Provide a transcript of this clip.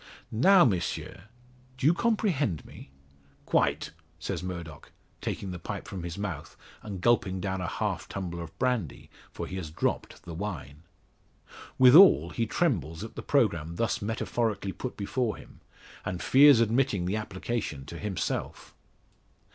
Now, Monsieur, do you comprehend me?" "Quite," says Murdock, taking the pipe from his mouth and gulping down a half tumbler of brandy for he has dropped the wine. Withal, he trembles at the programme thus metaphorically put before him, and fears admitting the application to himself.